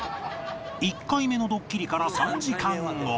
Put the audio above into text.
１回目のドッキリから３時間後